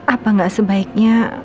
apa gak sebaiknya